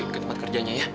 ke tempat kerjanya ya